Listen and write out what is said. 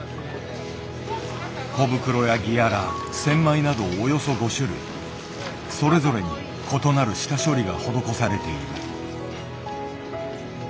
コブクロやギアラセンマイなどおよそ５種類それぞれに異なる下処理が施されている。